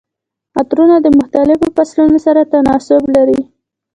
عطرونه د مختلفو فصلونو سره تناسب لري.